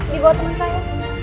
dibawa temen saya